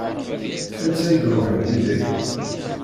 Anta i iṛuḥen yid-k?